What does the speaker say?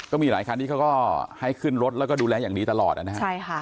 ก็มีหลายคันที่เขาก็ให้ขึ้นรถแล้วก็ดูแลอย่างดีตลอดนะฮะใช่ค่ะ